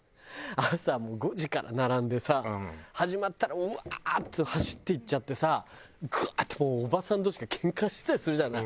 朝も５時から並んでさ始まったらウワーッと走っていっちゃってさグワッておばさん同士がけんかしてたりするじゃない。